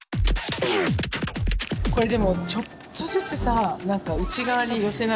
これでもちょっとずつさ何か内側に寄せないと。